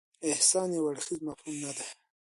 احسان یو اړخیز مفهوم نه دی.